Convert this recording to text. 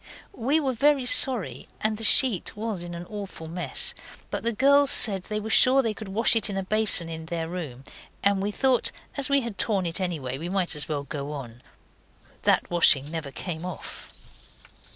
We were very sorry, and the sheet was in an awful mess; but the girls said they were sure they could wash it in the basin in their room, and we thought as we had torn it anyway, we might as well go on. That washing never came off.